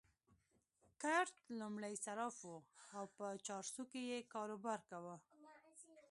کرت لومړی صراف وو او په چارسو کې يې کاروبار کاوه.